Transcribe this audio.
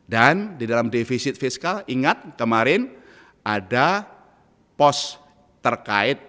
dan di dalam defisit fiskal ingat kemarin ada pos terkait